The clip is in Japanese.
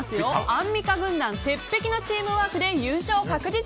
アンミカ軍団鉄壁のチームワークで優勝確実！